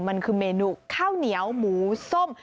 มันคือเมนูข้าวเหนียวหมูส้ม